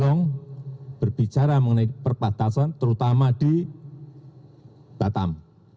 yang berbicara mengenai perbatasan terutama di batam